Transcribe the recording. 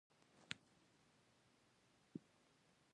سیلابونه د افغانستان د جغرافیوي تنوع مثال دی.